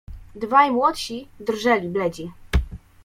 "Dwaj młodsi drżeli bledzi."